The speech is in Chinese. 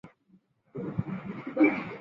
部分政府机关皆设于此。